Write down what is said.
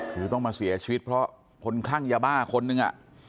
คือต้องมาเสียชีวิตเพราะคนคลั่งยาบ้าคนนึง